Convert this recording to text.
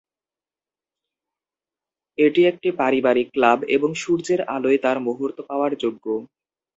এটি একটি পারিবারিক ক্লাব এবং সূর্যের আলোয় তার মুহূর্ত পাওয়ার যোগ্য।